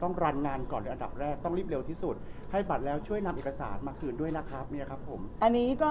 เพราะว่าข้อที่หนึ่งคือเรางานเยอะถูกไหมครับเรา